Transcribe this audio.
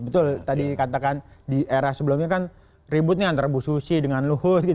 betul tadi katakan di era sebelumnya kan ributnya antara bu susi dengan luhut